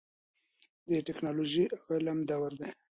د ټیکنالوژۍ او علم دور دی.